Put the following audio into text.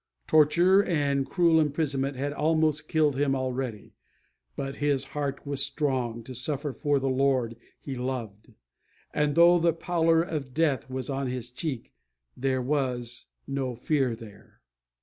Torture and cruel imprisonment had almost killed him already; but his heart was strong to suffer for the Lord he loved, and though the pallor of death was on his cheek, there was no fear there.